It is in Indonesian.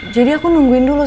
jadi aku nungguin dulu